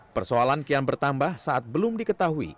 persoalan kian bertambah saat belum diketahui